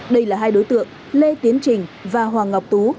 đây là hai đối tượng lê tiến trình và hoàng ngọc tú